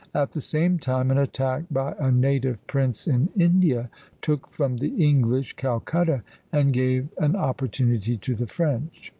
At the same time an attack by a native prince in India took from the English Calcutta, and gave an opportunity to the French.